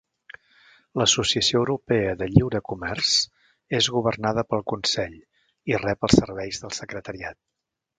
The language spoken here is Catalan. L'Associació Europea de Lliure Comerç és governada pel Consell i rep els serveis del Secretariat.